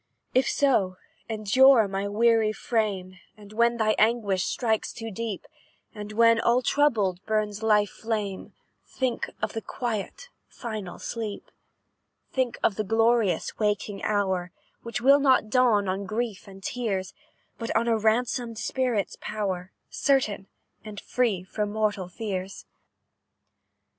"If so, endure, my weary frame; And when thy anguish strikes too deep, And when all troubled burns life's flame, Think of the quiet, final sleep; "Think of the glorious waking hour, Which will not dawn on grief and tears, But on a ransomed spirit's power, Certain, and free from mortal fears.